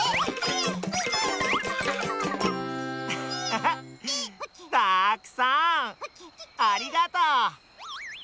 ハッハハたくさんありがとう。